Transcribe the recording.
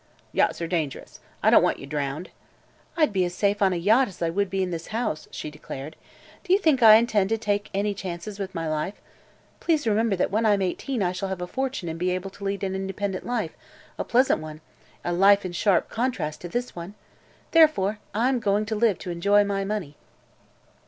"Yachts are dangerous. I don't want you drowned." "I'd be as safe on a yacht as I would be in this house," she declared. "Do you think I intend to take any chances with my life? Please remember that when I'm eighteen I shall have a fortune and be able to lead an independent life a pleasant life a life in sharp contrast to this one. Therefore, I'm going to live to enjoy my money."